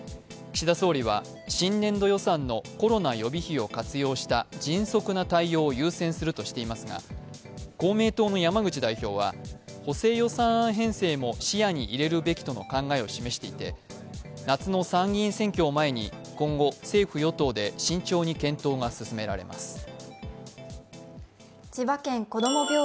岸田総理は、新年度予算のコロナ予備費を活用した迅速な対応を優先するとしていますが、公明党の山口代表は補正予算案編成も視野に入れるべきとの考えを示していて、夏の参議院選挙を前に、今後、政府・与党で慎重に検討が進められます。